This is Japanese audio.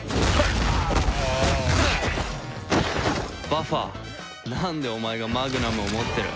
バッファなんでお前がマグナムを持ってる？